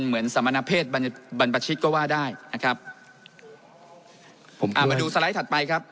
เหมือนสมณเพศบรรชิตก็ว่าได้นะครับผมอ่ามาดูสไลด์ถัดไปครับ